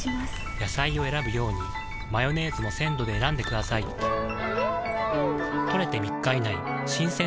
野菜を選ぶようにマヨネーズも鮮度で選んでくださいん！